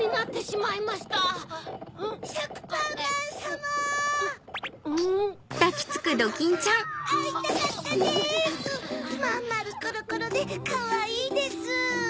まんまるコロコロでカワイイです！